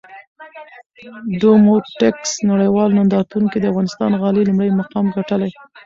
ډوموټکس نړېوال نندارتون کې د افغانستان غالۍ لومړی مقام ګټلی!